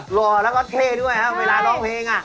หล่อแล้วก็เท่ด้วยครับเวลาร้องเพลง